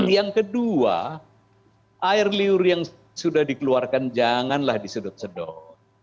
yang kedua air liur yang sudah dikeluarkan janganlah disedot sedot